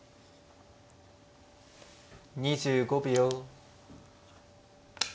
２５秒。